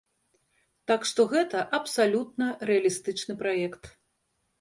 Так што гэта абсалютна рэалістычны праект.